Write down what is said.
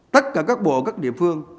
tất cả các bộ các địa phương